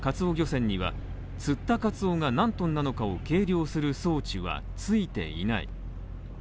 船には釣ったカツオが何ｔなのかを計量する装置は付いていない。